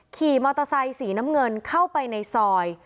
ขี่มอเตอร์ไซค์สีน้ำเงินเข้าไปในซอย